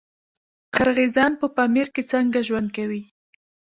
قرغیزان په پامیر کې څنګه ژوند کوي؟